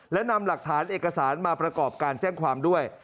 และนำหลักฐานเอกสารมาประกอบการแจ้งความด้วย